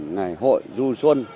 ngày hội du xuân